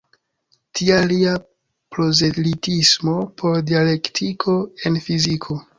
Tial lia prozelitismo por dialektiko en fiziko.